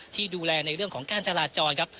ที่ดูแลในเรื่องของการจราจรครับ